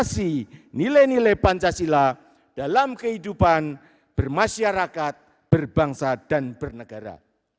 internalisasi serta aktualisasi nilai nilai pancasila dalam kehidupan bermasyarakat berbangsa dan bernegara